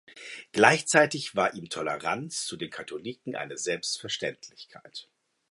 Gleichzeitig war ihm Toleranz zu den Katholiken eine Selbstverständlichkeit.